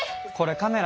カメラ？